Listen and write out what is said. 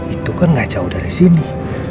itu kan gak jauh dari sini